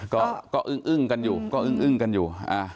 ก็อึ้งกันอยู่